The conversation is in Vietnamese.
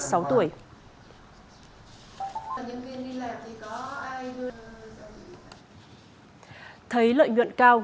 thấy lợi nhuận cao nghịa đã thu mua hàng trăm đồng